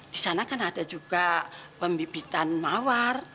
di sana kan ada juga pembibitan mawar